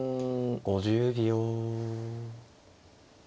５０秒。